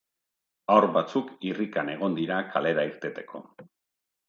Haur batzuk irrikan egon dira kalera irteteko.